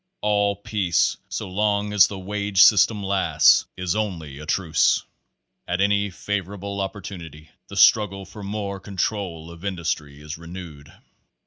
All peace so long as the wage system lasts, is only a truce. At any favorable opportunity the struggle for more control of industry is renewed.